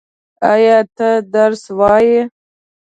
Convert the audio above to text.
ایا ته درس ویلی؟